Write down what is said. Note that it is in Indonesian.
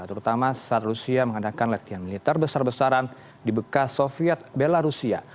terutama saat rusia mengadakan latihan militer besar besaran di bekas soviet belarusia